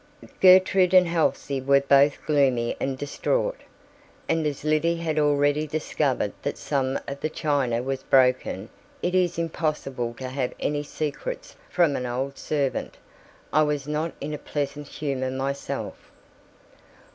Gertrude and Halsey were both gloomy and distraught, and as Liddy had already discovered that some of the china was broken—it is impossible to have any secrets from an old servant—I was not in a pleasant humor myself.